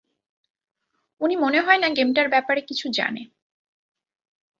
উনি মনে হয় না গেমটার ব্যাপারে কিছু জানে।